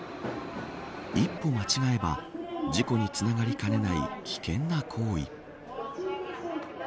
一歩間違えば、事故につながりかねない危険な行為。